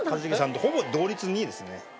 ほぼ同率２位ですね。